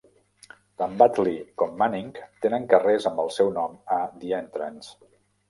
Tant Battley com Manning tenen carrers amb el seu nom a The Entrance.